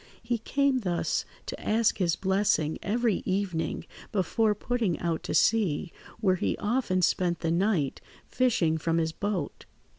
He came thus to ask his blessing every evening before putting out to sea, where he often spent the night fishing from his boat.